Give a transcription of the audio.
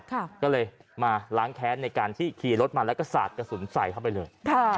ก็เลยมาล้างแค้นในการที่ขี่รถมาแล้วก็สาดกระสุนใส่เข้าไปเลย